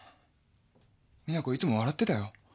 実那子いつも笑ってたよ。